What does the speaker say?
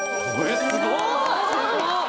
すごい！